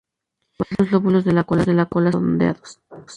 Además, los lóbulos de la cola son redondeados.